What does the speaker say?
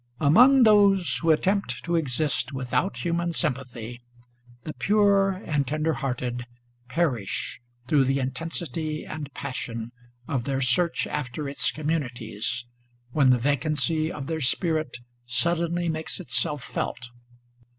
Among those who attempt to exist without human sympathy, the pure and tender hearted perish through the intensity and pas sion of their search after its communities, when the vacancy of their spirit suddenly makes itself felt.